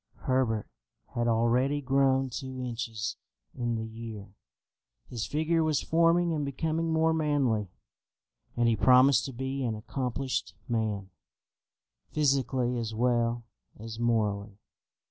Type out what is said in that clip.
Herbert had already grown two inches in the year. His figure was forming and becoming more manly, and he promised to be an accomplished man, physically as well as morally.